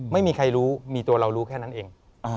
ไม่มีใครรู้มีตัวเรารู้แค่นั้นเอง